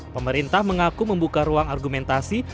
pemerintah mengaku membuka ruang argumentasi